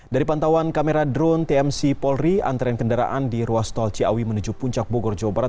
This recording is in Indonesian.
dari pantauan kamera drone tmc polri antrean kendaraan di ruas tol ciawi menuju puncak bogor jawa barat